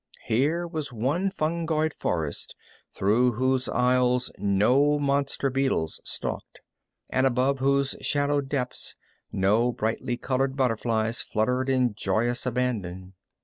Here was one fungoid forest through whose aisles no monster beetles stalked, and above whose shadowed depths no brightly colored butterflies fluttered in joyous abandon.